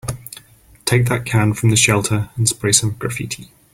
Take that can from the shelter and spray some graffiti.